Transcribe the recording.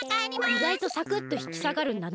いがいとサクッとひきさがるんだな。